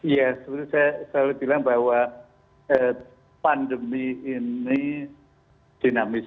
ya seperti saya selalu bilang bahwa pandemi ini dinamis